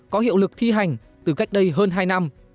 có hiệu lực thi hành từ cách đây hơn hai năm